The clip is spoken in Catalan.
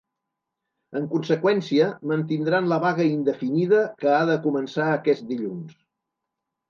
En conseqüència, mantindran la vaga indefinida que ha de començar aquest dilluns.